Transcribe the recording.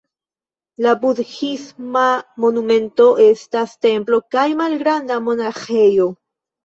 La Budhisma monumento estas templo kaj malgranda monaĥejo.